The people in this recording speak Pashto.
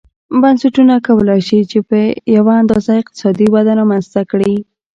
بنسټونه کولای شي چې یوه اندازه اقتصادي وده رامنځته کړي.